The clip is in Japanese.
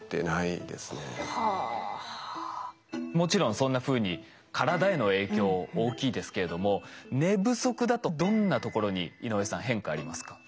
もちろんそんなふうに体への影響大きいですけれども寝不足だとどんなところに井上さん変化ありますか？